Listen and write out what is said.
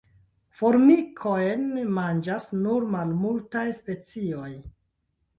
Formikojn manĝas nur malmultaj specioj.